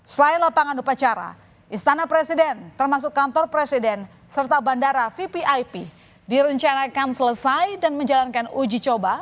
selain lapangan upacara istana presiden termasuk kantor presiden serta bandara vvip direncanakan selesai dan menjalankan uji coba